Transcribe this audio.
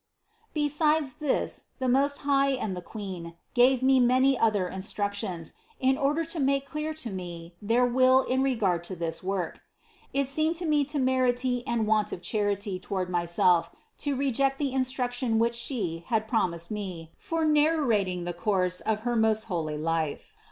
Besides this the Most High and the Queen gave me many other instructions, in order to make clear to me their will in regard to this work. It seemed to me temerity and want of charity toward myself, to re ject the instruction which She had promised me for nar rating the course of her most holy life.